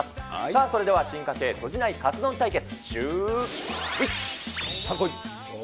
さあ、それでは進化系とじないカツ丼対決。